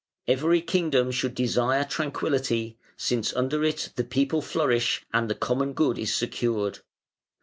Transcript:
Every kingdom should desire tranquillity, since under it the people flourish and the common good is secured.